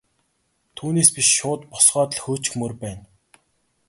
Түүнээс биш шууд босгоод л хөөчихмөөр байна.